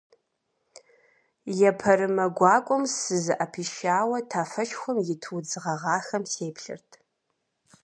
Епэрымэ гуакӏуэм сызыӏэпишауэ тафэшхуэм ит удз гъэгъахэм сеплъырт.